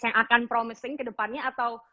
yang akan promising ke depannya atau